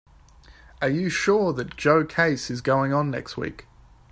Are you sure that Joe case is going on next week?